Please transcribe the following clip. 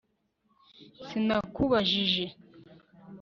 sinakubajije